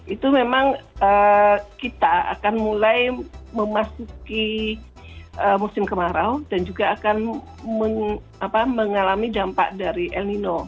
itu memang kita akan mulai memasuki musim kemarau dan juga akan mengalami dampak dari el nino